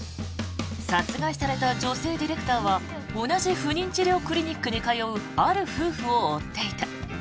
殺害された女性ディレクターは同じ不妊治療クリニックに通うある夫婦を追っていた。